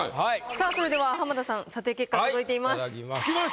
さあそれでは浜田さん査定結果届いています。